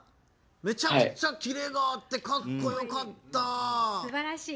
めちゃくちゃキレがあってかっこよかった！